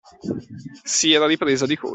Si era ripresa di colpo.